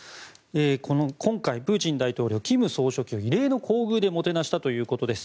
今回、プーチン大統領金総書記を異例の厚遇でもてなしたということです。